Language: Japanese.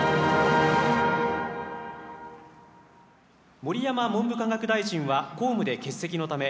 盛山文部科学大臣は公務で欠席のため